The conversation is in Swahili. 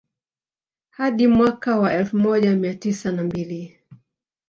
Hadi mwaka wa elfu moja mia tisa na mbili